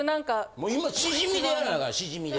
もう今しじみでやらなあかんしじみで。